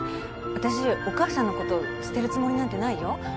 私お母さんのこと捨てるつもりなんてないよ。